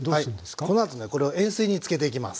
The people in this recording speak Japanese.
はいこのあとねこれを塩水につけていきます。